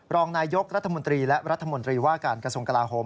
รองนายกรัฐมนตรีและรัฐมนตรีว่าการกระทรวงกลาโหม